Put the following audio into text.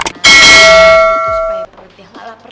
supaya perutnya gak lapar